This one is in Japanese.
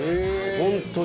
本当に。